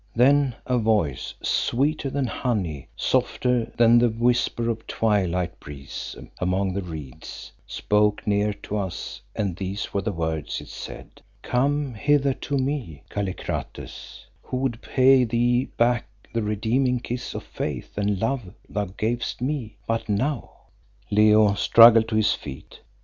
Then a voice sweeter than honey, softer than the whisper of a twilight breeze among the reeds, spoke near to us, and these were the words it said "Come hither to me, Kallikrates, who would pay thee back that redeeming kiss of faith and love thou gavest me but now!" Leo struggled to his feet.